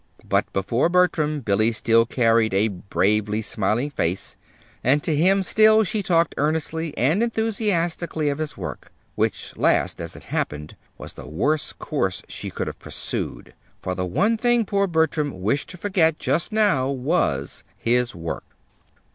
But, before Bertram, Billy still carried a bravely smiling face, and to him still she talked earnestly and enthusiastically of his work which last, as it happened, was the worst course she could have pursued; for the one thing poor Bertram wished to forget, just now, was his work.